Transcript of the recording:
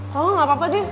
kalau enggak apa apa deh